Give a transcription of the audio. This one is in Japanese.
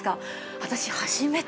私初めて。